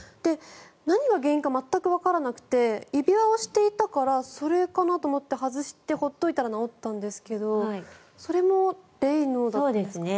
何が原因か全くわからなくて指輪をしていたからそれかなと思って外して放っておいたら治ったんですけどそれもレイノーだったんですか？